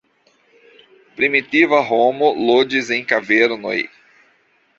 Primitiva homo loĝis en kavernoj.